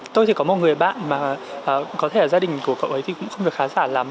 tôi thì có một người bạn mà có thể là gia đình của cậu ấy thì cũng không được khá giả lắm